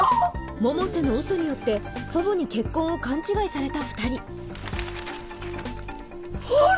百瀬の嘘によって祖母に結婚を勘違いされた二人あら！？